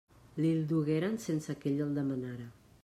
Li'l dugueren sense que ell el demanara.